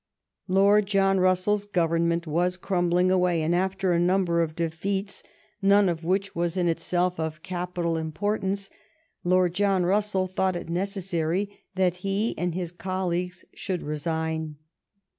Lord John Russeirs Government was crumbling away, and, after a number of defeats, none of which was in itself of capital importance. Lord John Russell thought it necessary that he and his colleagues should resign.